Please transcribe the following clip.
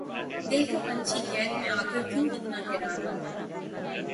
دل کا پنچھی قید میں آ کر کیوں اتنا حیران ہوا